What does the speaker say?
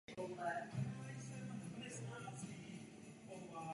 Prefekt seznámí přítomné s fakty.